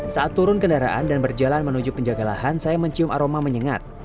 saat turun kendaraan dan berjalan menuju penjaga lahan saya mencium aroma menyengat